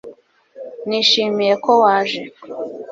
Nishimiye ko waje